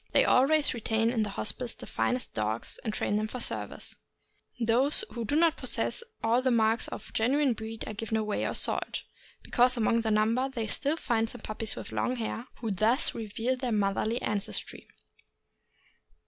They always retain in the Hospice the finest dogs, and train them for service; those who do not possess all the marks of genuine breed are given away or sold, because among the number they still find some pup pies with long hair, who thus reveal their motherly ancestry.